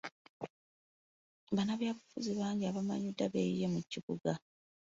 Bannabyabufuzi bangi abamanyiddwa beeyiye mu kibuga.